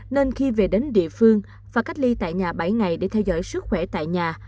nên khi về đến địa phương và cách ly tại nhà bảy ngày để theo dõi sức khỏe tại nhà